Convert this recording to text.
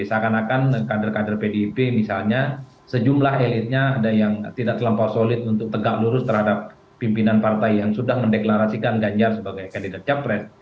seakan akan kader kader pdip misalnya sejumlah elitnya ada yang tidak terlampau solid untuk tegak lurus terhadap pimpinan partai yang sudah mendeklarasikan ganjar sebagai kandidat capres